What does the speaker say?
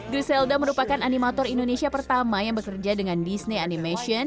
griselda merupakan animator indonesia pertama yang bekerja dengan disney animation